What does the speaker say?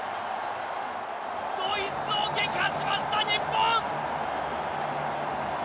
ドイツを撃破しました、日本！